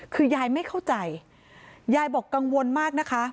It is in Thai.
คือยายไม่เข้าใจยายบอกกังวลมากนะคะ